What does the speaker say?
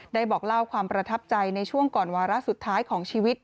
บอกเล่าความประทับใจในช่วงก่อนวาระสุดท้ายของชีวิต